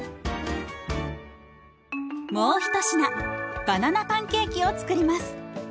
もう一品バナナパンケーキを作ります。